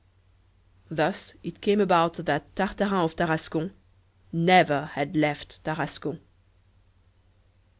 Thus it came about that Tartarin of Tarascon never had left Tarascon.